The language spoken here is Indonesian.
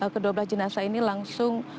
kedua belas jenazah ini langsung